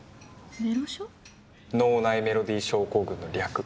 脳内メロディ症候群の略。